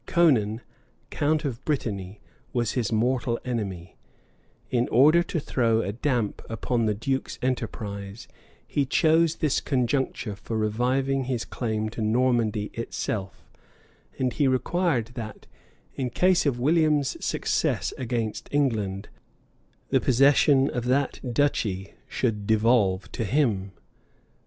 Conan, count of Brittany, was his mortal enemy: in order to throw a damp upon the duke's enterprise, he chose this conjuncture for reviving his claim to Normandy itself; and he required that, in case of William's success against England, the possession of that duchy should devolve to him.